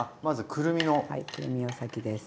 くるみが先です。